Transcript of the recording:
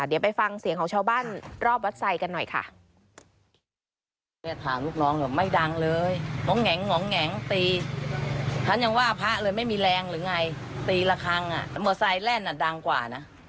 เดี๋ยวไปฟังเสียงของชาวบ้านรอบวัดไซค์กันหน่อยค่ะ